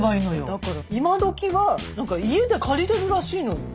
だから今どきは何か家で借りれるらしいのよ。